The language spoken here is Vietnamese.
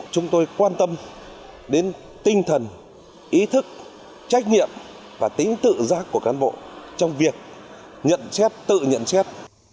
chúng tôi quan tâm đến tinh thần ý thức trách nhiệm và tính tự giác của cán bộ trong việc nhận xét tự nhận xét